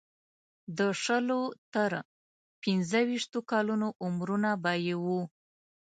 د شلو تر پنځه ویشتو کلونو عمرونه به یې وو.